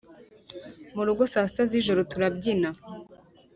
mu rugo saa sita z'ijoro turabyina